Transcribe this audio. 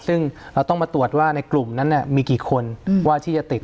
ซึ่งเราต้องมาตรวจว่าในกลุ่มนั้นมีกี่คนว่าที่จะติด